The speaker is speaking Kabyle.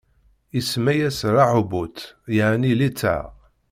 Isemma-yas Raḥubut, yeɛni litteɛ;